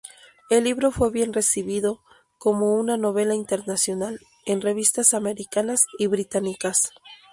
El libro fue bien recibido como una "novela internacional" en revistas americanas y británicas.